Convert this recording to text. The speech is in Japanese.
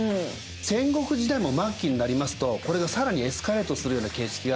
戦国時代も末期になりますとこれが更にエスカレートするような形式が生まれます。